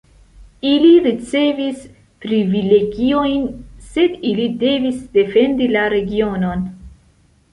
Ili ricevis privilegiojn, sed ili devis defendi la regionon.